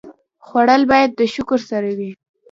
خوړل باید د شکر سره وي